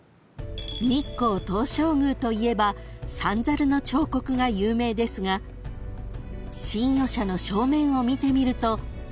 ［日光東照宮といえば三猿の彫刻が有名ですが神輿舎の正面を見てみると］